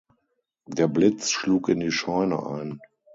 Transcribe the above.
Der Blitz schlug in die Scheune ein.